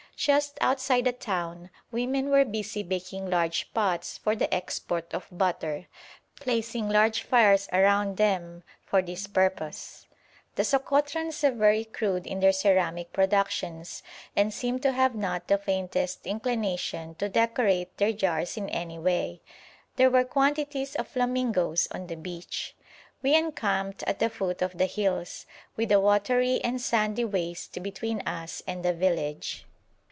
Just outside the town women were busy baking large pots for the export of butter, placing large fires around them for this purpose. The Sokotrans are very crude in their ceramic productions, and seem to have not the faintest inclination to decorate their jars in any way. There were quantities of flamingoes on the beach. We encamped at the foot of the hills, with a watery and sandy waste between us and the village.